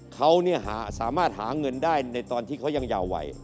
เขาสามารถหาเงินได้ในตอนที่เขายังเยาวัย